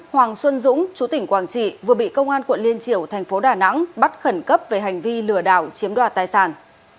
hoàng xuân dũng chú tỉnh quảng trị vừa bị công an quận liên triều thành phố đà nẵng bắt khẩn cấp về hành vi lừa đảo chiếm đoạt tài sản